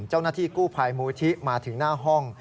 เจ้าหน้าที่กู้ภัยมูลที่มาถึงหน้าห้อง